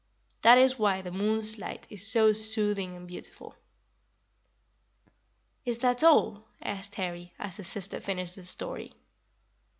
"' That is why the moon's light is so soothing and beautiful." "Is that all?" asked Harry, as his sister finished the story.